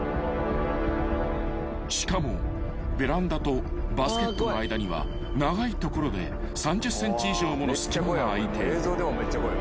［しかもベランダとバスケットの間には長い所で３０ｃｍ以上もの隙間が空いている］